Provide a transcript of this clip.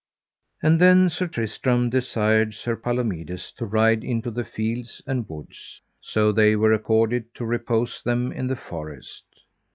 And then Sir Tristram desired Sir Palomides to ride into the fields and woods. So they were accorded to repose them in the forest.